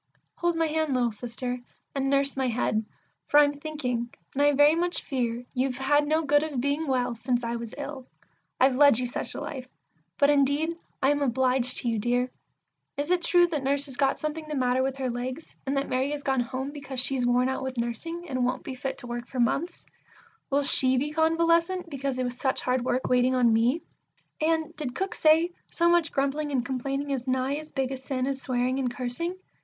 Hold my hand, little Sister, and nurse my head, for I'm thinking, and I very much fear You've had no good of being well since I was ill; I've led you such a life; but indeed I am obliged to you, dear! Is it true that Nurse has got something the matter with her legs, and that Mary has gone home because she's worn out with nursing, And won't be fit to work for months? (will she be convalescent, because it was such hard work waiting on me?) and did Cook say, "So much grumbling and complaining is nigh as big a sin as swearing and cursing"?